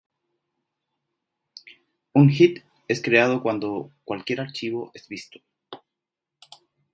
Un "hit" es generado cuando cualquier archivo es visto.